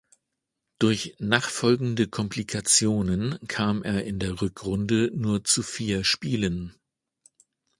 Durch nachfolgende Komplikationen kam er in der Rückrunde nur zu vier Spielen.